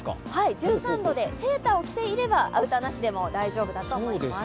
１３度で、セーターを着ていればアウターなしでも大丈夫だと思います。